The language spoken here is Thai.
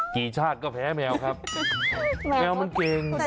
ชาติก็แพ้แมวครับแมวมันเก่ง